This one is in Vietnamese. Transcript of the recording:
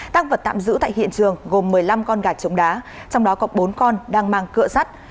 tăng vật tạm giữ tại hiện trường gồm một mươi năm con gà trống đá trong đó có bốn con đang mang cửa sắt